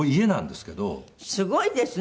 すごいですね。